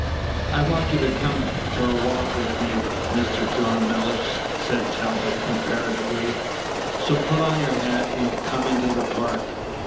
"I want you to come for a walk with me, Mr. John Mellish," said Talbot, imperatively; "so put on your hat, and come into the Park.